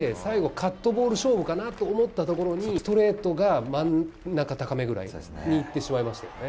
最後、フォークを２球いい所から落として、最後、カットボール勝負かなと思ったところに、ストレートが真ん中高めぐらいにいってしまいましたよね。